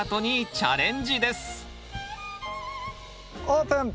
オープン！